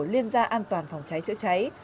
liên gia an toàn phòng cháy chữa cháy